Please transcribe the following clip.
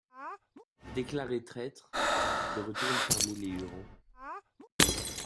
Déclaré traître, il retourne parmi les Hurons.